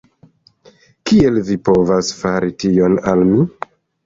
Kiel vi povas fari tion al mi?